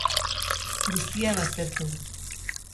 Guztia baztertu.